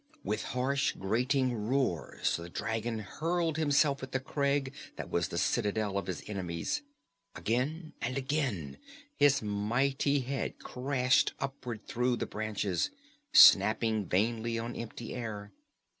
With harsh, grating roars, the dragon hurled himself at the crag that was the citadel of his enemies. Again and again his mighty head crashed upward through the branches, snapping vainly on empty air.